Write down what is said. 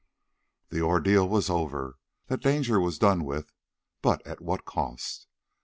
The ordeal was over, that danger was done with, but at what a cost!